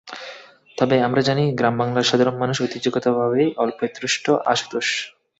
তবে আমরা সবাই জানি গ্রামবাংলার সাধারণ মানুষ ঐতিহ্যগতভাবেই অল্পে তুষ্ট, আশুতোষ।